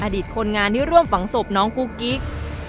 อดีตคนงานที่ร่วมฝังศพน้องกุ๊กกิ๊ก